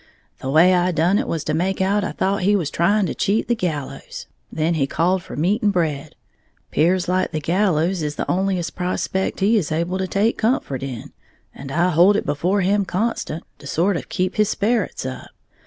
"The way I done it was to make out I thought he was trying to cheat the gallows. Then he called for meat and bread. 'Pears like the gallows is the onliest prospect he is able to take any comfort in, and I hold it before him constant, to sort of keep his sperrits up.